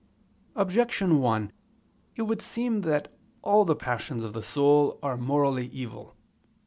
Objection 1: It would seem that all the passions of the soul are morally evil.